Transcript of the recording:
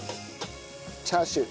チャーシュー。